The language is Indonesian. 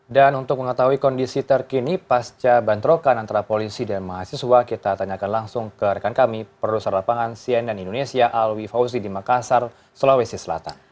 dan untuk mengetahui kondisi terkini pasca bantrokan antara polisi dan mahasiswa kita tanyakan langsung ke rekan kami produser lapangan sien dan indonesia alwi fauzi di makassar sulawesi selatan